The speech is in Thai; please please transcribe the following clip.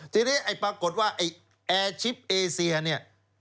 ทีนี้ไอ้ปรากฏว่าไอ้แอร์ชิปเอเซียเนี่ย